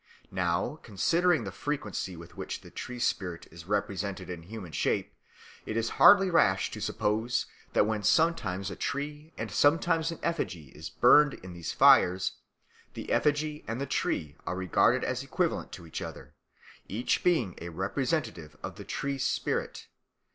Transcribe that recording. Now, considering the frequency with which the tree spirit is represented in human shape, it is hardly rash to suppose that when sometimes a tree and sometimes an effigy is burned in these fires, the effigy and the tree are regarded as equivalent to each other, each being a representative of the tree spirit.